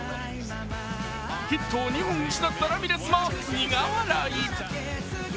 ヒットを２本失ったラミレスも苦笑い。